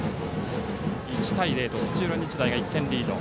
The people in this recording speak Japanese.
１対０と土浦日大がリード。